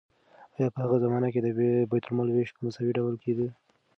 آیا په هغه زمانه کې د بیت المال ویش په مساوي ډول کیده؟